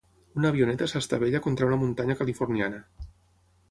Una avioneta s'estavella contra una muntanya californiana.